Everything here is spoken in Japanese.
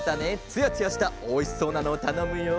つやつやしたおいしそうなのをたのむよ。